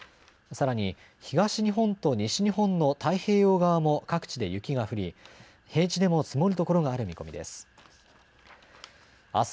さらに東日本と西日本の太平洋側も各地で雪が降り平地でも積もる所がある見込みです。